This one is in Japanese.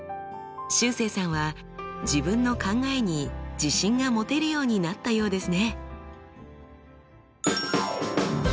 しゅうせいさんは自分の考えに自信が持てるようになったようですね。